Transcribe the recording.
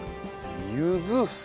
ゆず酢。